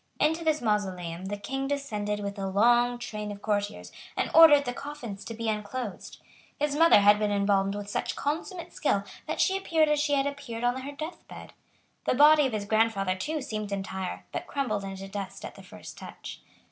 Into this mausoleum the King descended with a long train of courtiers, and ordered the coffins to be unclosed. His mother had been embalmed with such consummate skill that she appeared as she had appeared on her death bed. The body of his grandfather too seemed entire, but crumbled into dust at the first touch.